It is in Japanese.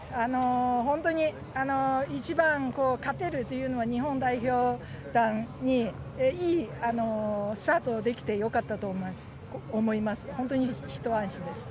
本当に一番勝てるというのは、日本代表団に、いいスタートできてよかったと思います。